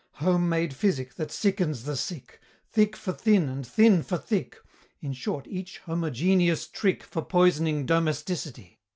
Home made physic that sickens the sick; Thick for thin and thin for thick; In short each homogeneous trick For poisoning domesticity?